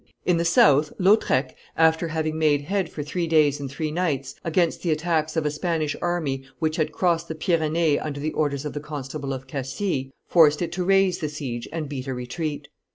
In the south, Lautrec, after having made head for three days and three nights against the attacks of a Spanish army which had crossed the Pyrenees under the orders of the Constable of Castille, forced it to raise the siege and beat a retreat.